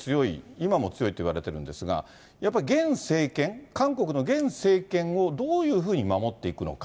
今も強いといわれてるんですが、やっぱり現政権、韓国の現政権をどういうふうに守っていくのか。